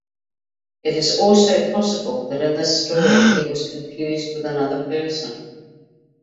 It is also possible that in this story he was confused with another person.